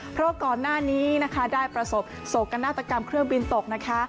เพราะก่อนหน้านี้นะคะได้ประสบโศกนาฏกรรมเครื่องบินตกนะคะ